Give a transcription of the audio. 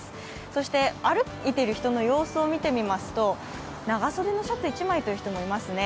そして歩いている人の様子を見てみますと長袖のシャツ１枚という人もいますね。